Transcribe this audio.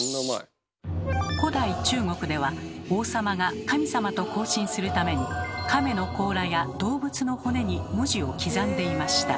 古代中国では王様が神様と交信するために亀の甲羅や動物の骨に文字を刻んでいました。